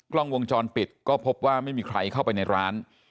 กล้องวงจรปิดก็พบว่าไม่มีใครเข้าไปในร้าน